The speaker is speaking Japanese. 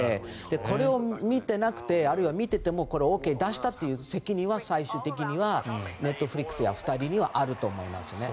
これを見ていなくてあるいは見ていてもＯＫを出したという責任は最終的にはネットフリックスや２人にはあると思います。